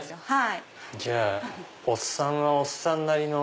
はい！